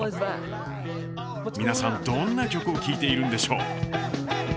皆さんどんな曲を聴いているんでしょう？